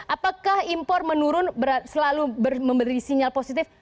apakah impor menurun selalu memberi sinyal positif